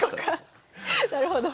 なるほど。